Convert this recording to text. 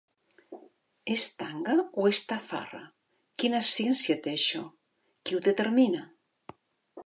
És tanga o és tafarra? Quina ciència té això? Qui ho determina?